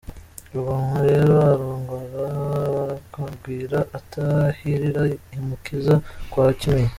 Rugomwa rero arongora Barakagwira, atahirira i Mukiza kwa Kimenyi.